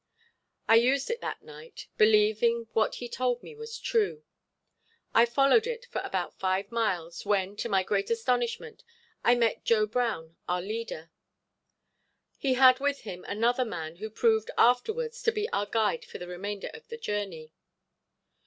I used it that night, believing what he told me was true. I followed it for about five miles, when, to my great astonishment, I met Joe Brown, our leader. He had with him another man who proved, afterwards, to be our guide for the remainder of the journey.